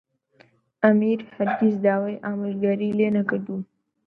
ئەمیر هەرگیز داوای ئامۆژگاریی لێ نەکردووم.